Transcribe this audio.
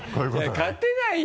勝てないよ。